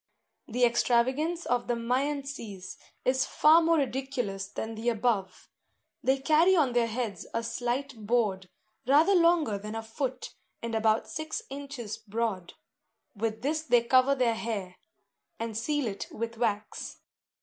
The extravagance of the Myantses is far more ridiculous than the above. They carry on their heads a slight board, rather longer than a foot, and about six inches broad; with this they cover their hair, and seal it with wax.